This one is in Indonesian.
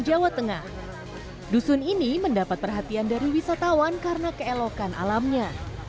jawa tengah dusun ini mendapat perhatian dari wisatawan karena keelokan alamnya